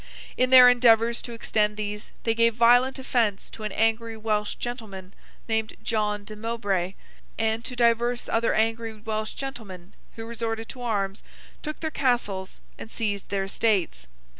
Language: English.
In their endeavours to extend these, they gave violent offence to an angry Welsh gentleman, named John de Mowbray, and to divers other angry Welsh gentlemen, who resorted to arms, took their castles, and seized their estates.